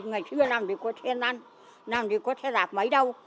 ngày xưa nằm thì có xe năn nằm thì có xe đạp máy đâu